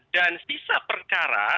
dan sisa perkara